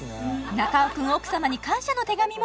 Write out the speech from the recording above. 中尾君奥様に感謝の手紙も